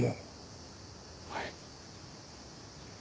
はい。